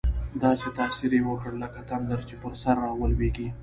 داسې تاثیر یې وکړ، لکه تندر چې پر سر راولوېږي.